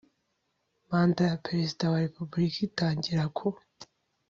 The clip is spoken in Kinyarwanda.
Manda ya Perezida wa Repubulika itangira ku